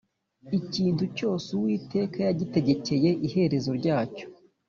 Ikintu cyose Uwiteka yagitegekeye iherezo ryacyo